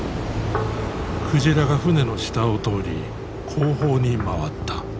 鯨が船の下を通り後方に回った。